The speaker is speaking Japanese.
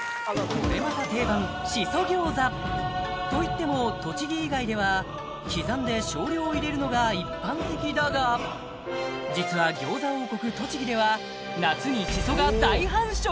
これまた定番シソ餃子といっても栃木以外では刻んで少量入れるのが一般的だが実は餃子王国